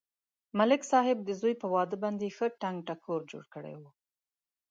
ملک صاحب یې د زوی په واده باندې ښه ټنگ ټکور جوړ کړی و.